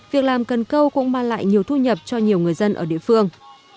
việc làm cần câu cũng mang lại nhiều thu nhập cho nhiều người dân ở địa phương